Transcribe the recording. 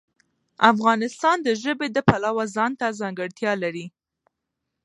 افغانستان د ژبې د پلوه ځانته ځانګړتیا لري.